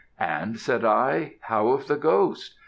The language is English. "'And,' said I, 'how of the ghost?